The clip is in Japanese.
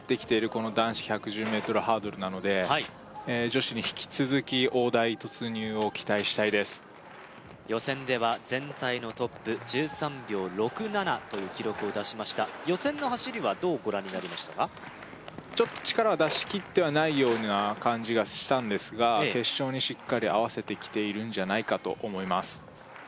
この男子１１０ｍハードルなので女子に引き続き大台突入を期待したいです予選では全体のトップ１３秒６７という記録を出しました予選の走りはどうご覧になりましたかちょっと力は出しきってはないような感じがしたんですが決勝にしっかり合わせてきているんじゃないかと思います